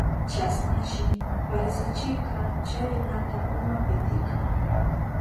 Chasnashi parisichirka chay runata uma pitika.